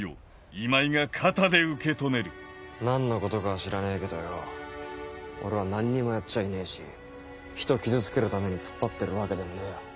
何のことかは知らねえけどよ俺は何にもやっちゃいねえし人傷つけるためにつっぱってるわけでもねえよ。